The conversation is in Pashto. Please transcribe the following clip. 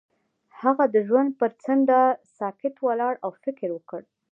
هغه د ژوند پر څنډه ساکت ولاړ او فکر وکړ.